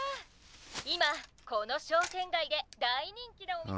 今この商店街で大人気なお店がこちら！